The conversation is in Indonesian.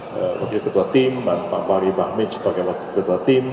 sebagai ketua tim dan pak fahri bahmin sebagai ketua tim